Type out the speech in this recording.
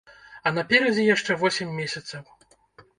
А наперадзе яшчэ восем месяцаў.